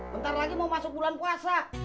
bentar lagi mau masuk bulan puasa